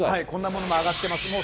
こんなものも上がってます。